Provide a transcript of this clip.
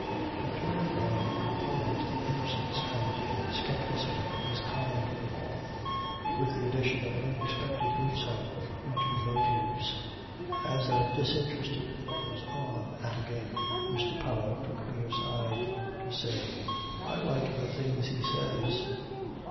A turn of mind composed of innocence and scepticism is common to them all, with the addition of an unexpected insight into motives, as of disinterested lookers on at a game. Mr. Powell took me aside to say, "I like the things he says."